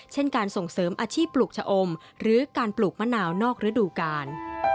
เช่นการส่งเสริมอาชีพปลูกชะอมหรือการปลูกมะนาวนอกฤดูกาล